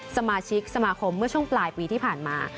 สมาชิกสมาคมเมื่อช่วงปลายปีที่ผ่านมา